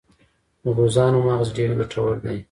د غوزانو مغز ډیر ګټور دی.